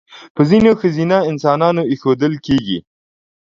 په ځینو ښځینه انسانانو اېښودل کېږي.